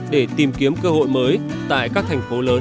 để tìm kiếm cơ hội mới tại các thành phố lớn